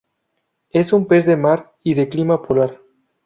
Es un pez de mar y de clima polar.